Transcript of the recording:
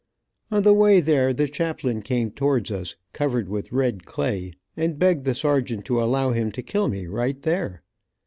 On the way there, the chaplain came towards us, covered with red clay, and begged the sergeant to allow him to kill me right there.